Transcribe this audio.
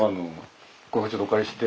今回ちょっとお借りして。